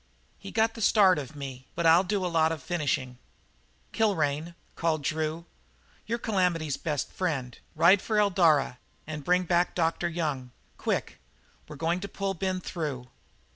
"He got the start of me, but I'll do a lot of finishing." "Kilrain," called Drew, "you're Calamity's best friend. Ride for Eldara and bring back Dr. Young. Quick! We're going to pull Ben through."